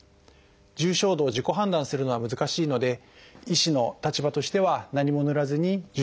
重症度を自己判断するのは難しいので医師の立場としては何も塗らずに受診してほしかったと思います。